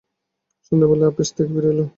সন্ধেবেলায় আপিস থেকে ফিরে এলে?